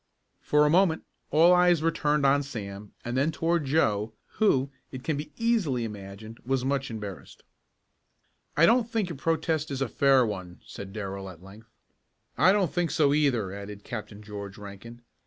For a moment all eyes were turned on Sam and then toward Joe who, it can easily be imagined, was much embarrassed. "I don't think your protest is a fair one," said Darrell at length. "I don't think so either," added Captain George Rankin.